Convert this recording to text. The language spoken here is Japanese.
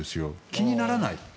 気にならない。